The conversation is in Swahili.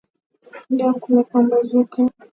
Leo kumepambazuka.